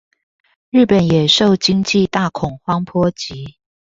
日本也受經濟大恐慌波及